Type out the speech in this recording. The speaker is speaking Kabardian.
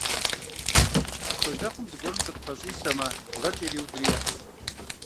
Щолэхъум зыгуэрым зыкъыпэщӀисэмэ, бгъэкӀэ иреудри ехь.